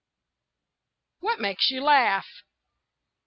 WHAT MAKES YOU LAUGH?